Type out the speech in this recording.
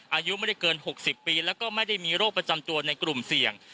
อายุไม่ได้เกิน๖๐ปีแล้วก็ไม่ได้มีโรคประจำตัวในกลุ่มเสี่ยง